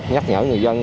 nhắc nhở người dân